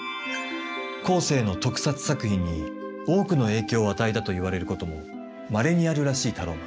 後世の特撮作品に多くの影響を与えたといわれることもまれにあるらしいタローマン。